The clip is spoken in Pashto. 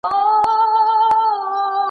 سدۍ سوې چي تربور یې په دښمن دی غلط کړی .